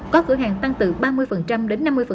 có cửa hàng tăng từ ba mươi đến năm mươi